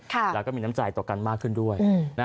แล้วก็มีน้ำใจต่อกันมากขึ้นด้วย